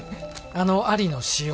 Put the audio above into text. あのアリの私用